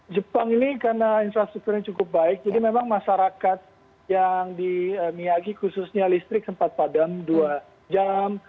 jepang ini karena infrastrukturnya cukup baik jadi memang masyarakat yang di miyagi khususnya listrik sempat padam dua jam